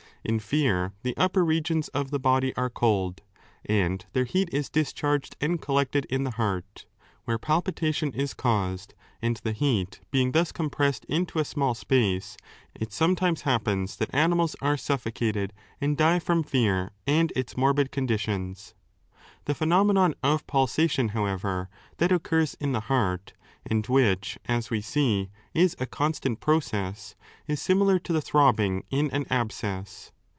In fear the upper regions of the body are cold, and their heat is discharged and collected in the heart, where palpitation is caused^ and the heat being thus compressed into a small space, it sometimes happens that animals are suffocated and 3 die from fear and its morbid conditions. The pheno menon of pulsation, however, that occurs in the hearty and which, as we see, is a constant process, is similar to the throbbing in an abscess.